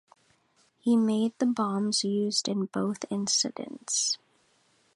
He made the bombs used in both incidents.